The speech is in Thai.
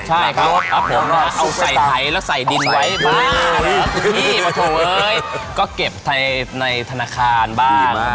ใช่ครับครับผมนะเอาใส่ไทยแล้วใส่ดินไว้บ้าที่โอ้โธเว้ยก็เก็บใส่ในธนาคารบ้างดีมาก